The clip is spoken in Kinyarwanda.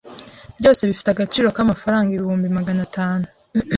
byose bifite agaciro k’amafaranga ibihumbi Magana atanu